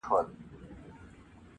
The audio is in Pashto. په تن خوار دی خو په عقل دی تللی-